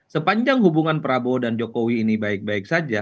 sepanjang hubungan prabowo dan jokowi ini baik baik saja